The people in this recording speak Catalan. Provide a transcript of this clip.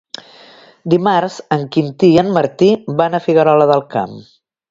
Dimarts en Quintí i en Martí van a Figuerola del Camp.